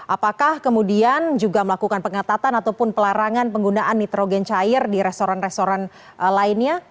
apakah kemudian juga melakukan pengetatan ataupun pelarangan penggunaan nitrogen cair di restoran restoran lainnya